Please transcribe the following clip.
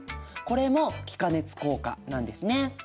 これも気化熱効果なんですね。